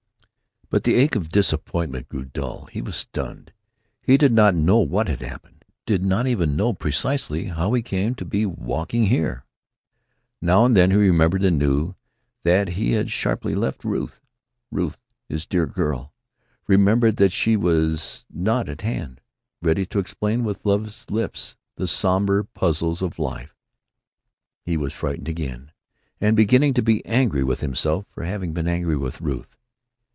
But the ache of disappointment grew dull. He was stunned. He did not know what had happened; did not even know precisely how he came to be walking here. Now and then he remembered anew that he had sharply left Ruth—Ruth, his dear girl!—remembered that she was not at hand, ready to explain with love's lips the somber puzzles of life. He was frightened again, and beginning to be angry with himself for having been angry with Ruth.